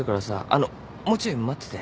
あのもうちょい待ってて。